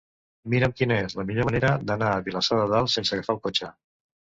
Mira'm quina és la millor manera d'anar a Vilassar de Dalt sense agafar el cotxe.